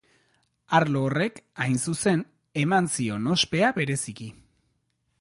Arlo horrek, hain zuzen, eman zion ospea bereziki.